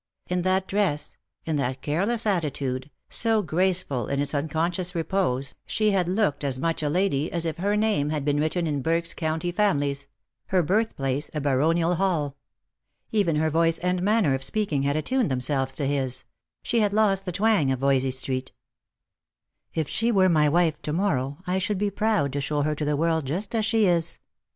In that dress, in that careless attitude, so graceful in its unconscious repose, she had looked as much a lady as if her name had been written in Burke's " County Families," her birthplace a baronial hall. Even her voice and manner of speaking had attuned themselves to his — she had lost the twang of Yoysey street. " If she were my wife to morrow I should be proud to show her to the world just as she is.